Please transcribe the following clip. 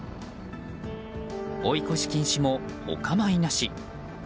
追い越し禁止も、お構いなし。